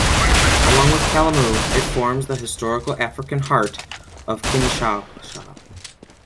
Along with Kalamu, it forms the historical African heart of Kinshasa.